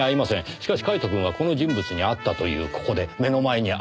しかしカイトくんはこの人物に会ったというここで目の前に現れたと。